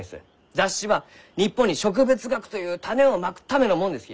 雑誌は日本に植物学という種をまくためのもんですき。